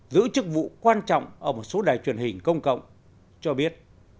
giữ chức vụ quan trọng ở một số đài truyền hình công cộng cho biết